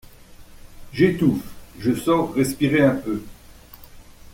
J'étouffe, je sors respirer un peu.